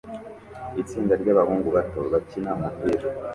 Itsinda ryabahungu bato bakina umupira